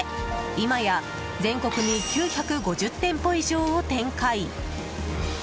今や、全国に９５０店舗以上を展開。